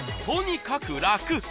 とにかく楽！